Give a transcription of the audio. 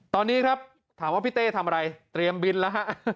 ตอนนี้ครับถามว่าพี่เต้ทำอะไรเตรียมบินแล้วฮะ